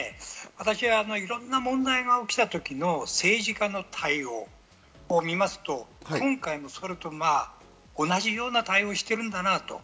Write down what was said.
私はいろんな問題が起きた時の政治家の対応を見ますと、今回もそれとまぁ同じような対応してるんだなと。